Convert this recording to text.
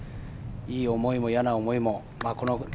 いい思いも嫌な思いも。